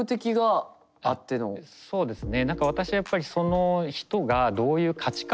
そうですね。